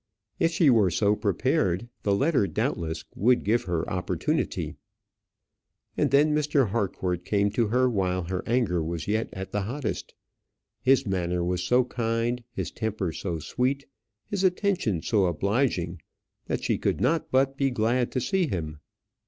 If she were so prepared, the letter doubtless would give her the opportunity. And then Mr. Harcourt came to her while her anger was yet at the hottest. His manner was so kind, his temper so sweet, his attention so obliging, that she could not but be glad to see him.